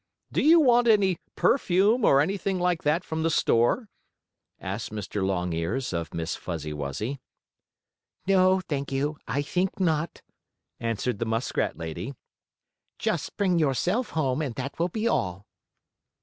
Do you want any perfume, or anything like that from the store?" asked Mr. Longears of Miss Fuzzy Wuzzy. "No, thank you, I think not," answered the muskrat lady. "Just bring yourself home, and that will be all."